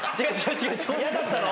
嫌だったの？